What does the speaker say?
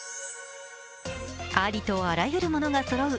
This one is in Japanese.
ありとあらゆるものがそろう